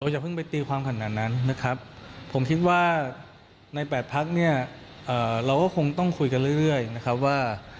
อย่าเพิ่งไปตีความขนาดนั้นนะครับผมคิดว่าใน๘พักเนี่ยเราก็คงต้องคุยกันเรื่อยนะครับว่า